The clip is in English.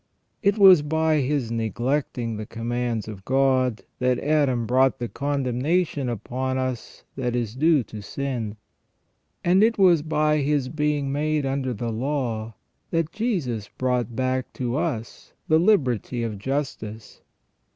It was by his neglecting the commands of God that Adam brought the condemnation upon us that is due to sin : and it was by His being made under the law that Jesus brought back to us the liberty of justice.